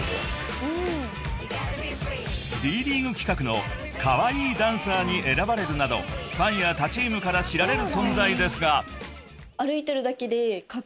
［Ｄ．ＬＥＡＧＵＥ企画のカワイイダンサーに選ばれるなどファンや他チームから知られる存在ですが］